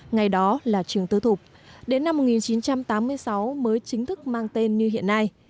ngày đó là trường tư thục đến năm một nghìn chín trăm tám mươi sáu mới chính thức mang tên như hiện nay